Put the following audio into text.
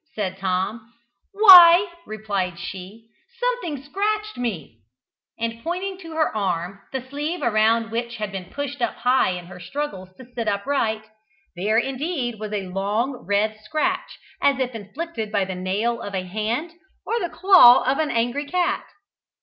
said Tom. "Why," replied she, "something scratched me;" and pointing to her arm, the sleeve around which had been pushed up high in her struggles to sit upright, there indeed was a long, red scratch as if inflicted by the nail of a hand or the claw of an angry cat.